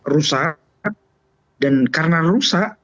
rusak dan karena rusak